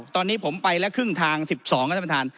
ตอนนี้ผมไปแล้วครึ่งทาง๑๒ครับท่าน